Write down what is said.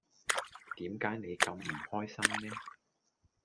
點解你咁唔開心呢